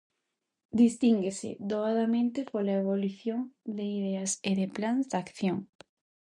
Distínguense doadamente pola ebulición de ideas e de plans de acción.